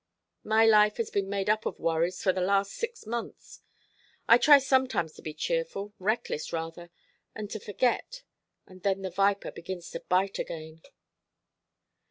"My life has been made up of worries for the last six months. I try sometimes to be cheerful reckless rather and to forget; and then the viper begins to bite again."